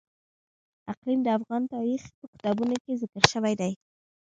اقلیم د افغان تاریخ په کتابونو کې ذکر شوی دي.